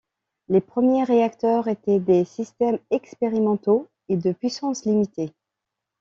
Les premiers réacteurs étaient des systèmes expérimentaux et de puissance limitée.